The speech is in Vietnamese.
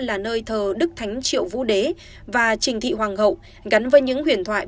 là nơi thờ đức thánh triệu vũ đế và trình thị hoàng hậu gắn với những huyền thoại